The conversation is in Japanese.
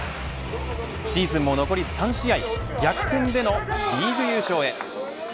シーズンも残り３試合逆転でのリーグ優勝へ。